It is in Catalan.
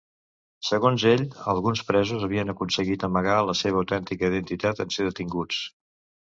Segons ell, alguns presos havien aconseguit amagar la seva autèntica identitat en ser detinguts.